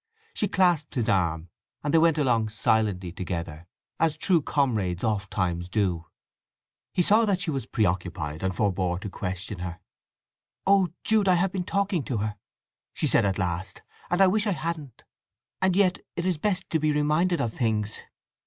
She clasped his arm, and they went along silently together, as true comrades oft times do. He saw that she was preoccupied, and forbore to question her. "Oh Jude—I've been talking to her," she said at last. "I wish I hadn't! And yet it is best to be reminded of things."